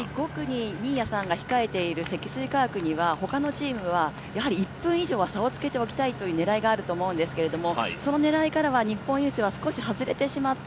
やはり５区に新谷さんが控えている積水化学には他のチームは１分以上は差をつけておきたいという狙いがあると思うんですけれども、その狙いからは日本郵政は少し外れてしまった、